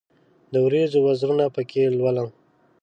د اوریځو وزرونه پکښې لولم